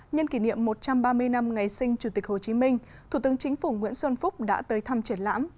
nhân kỷ niệm một trăm ba mươi năm ngày sinh chủ tịch hồ chí minh thủ tướng chính phủ nguyễn xuân phúc đã tới thăm triển lãm